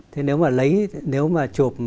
thế nếu mà lấy nếu mà chụp